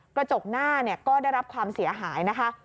กระจกหน้าก็ได้รับความเสียหายนะคะ